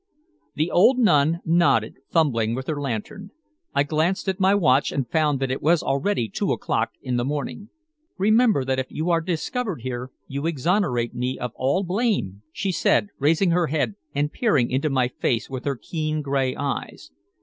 The old nun nodded, fumbling with her lantern. I glanced at my watch and found that it was already two o'clock in the morning. "Remember that if you are discovered here you exonerate me of all blame?" she said, raising her head and peering into my face with her keen gray eyes.